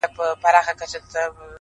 • سپین وېښته راته پخوا منزل ښودلی,